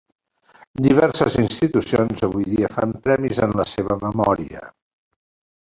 Diverses institucions avui dia fan premis en la seva memòria.